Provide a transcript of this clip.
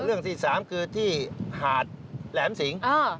เรื่องที่๓คือที่หาดแหลมสิง